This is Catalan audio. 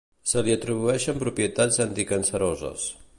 Se li atribueixen propietats anticanceroses.